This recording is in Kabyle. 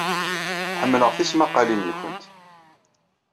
Ḥemmleɣ tismaqqalin-nwent.